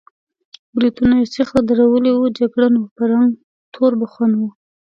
برېتونه یې سېخ درولي وو، جګړن و، په رنګ تور بخون و.